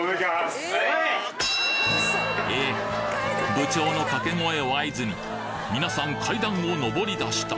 部長の掛け声を合図に皆さん階段を上りだした。